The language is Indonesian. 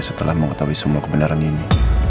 setelah mengetahui semua kebenaran ini